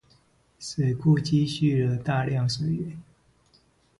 水庫蓄積了大量水源